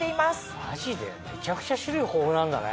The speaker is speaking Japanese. マジで⁉めちゃくちゃ種類豊富なんだね。